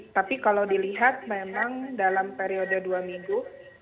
tapi kalau dilihat memang dalam periode dua minggu